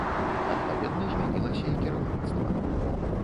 Адпаведна, змянілася і кіраўніцтва.